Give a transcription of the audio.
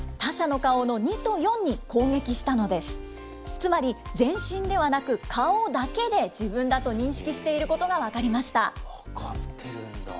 つまり、全身ではなく、顔だけで自分だと認識していることが分かりました。